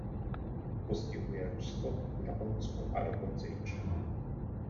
Postihuje Rusko, Japonsko a dokonce i Čínu.